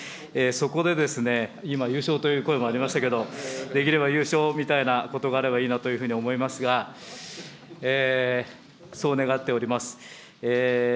そこでですね、今、優勝という声もありましたけど、できれば優勝みたいなことがあればいいなというふうに思いますが、そう願っております。